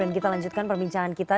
dan kita lanjutkan perbincangan kita